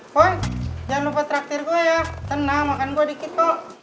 pon jangan lupa traktir gue ya tenang makan gue dikit kok